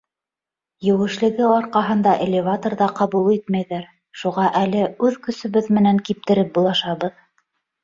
Еүешлеге арҡаһында элеваторҙа ҡабул итмәйҙәр, шуға әле үҙ көсөбөҙ менән киптереп булашабыҙ.